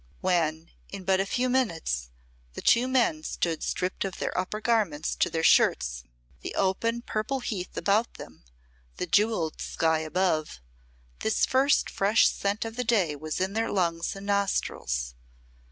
When, in but a few minutes, the two men stood stript of their upper garments to their shirts, the open purple heath about them, the jewelled sky above, this first fresh scent of day was in their lungs and nostrils.